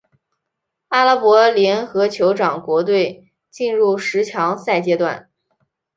阿拉伯联合酋长国队进入十强赛阶段。